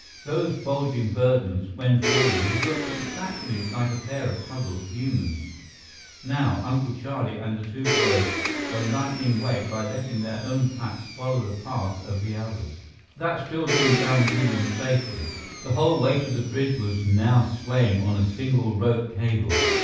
Those bulging burdens, when falling, had looked exactly like a pair of huddled humans. Now, Uncle Charlie and the two boys were lightening weight by letting their own packs follow the path of the others. That still didn't guarantee them safety. The whole weight of the bridge was now swaying on a single rope cable.